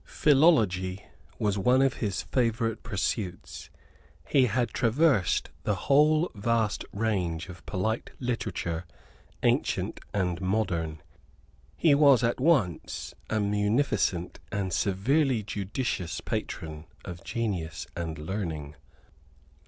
Philology was one of his favourite pursuits. He had traversed the whole vast range of polite literature, ancient and modern. He was at once a munificent and severely judicious patron of genius and learning.